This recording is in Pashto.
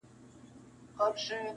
• ړانده شاوخوا پر ګرځول لاسونه -